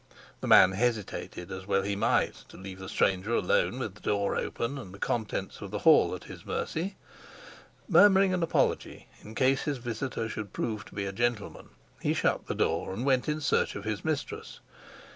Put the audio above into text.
The man hesitated, as well he might, to leave the stranger alone with the door open and the contents of the hall at his mercy. Murmuring an apology in case his visitor should prove to be a gentleman, he shut the door and went in search of his mistress.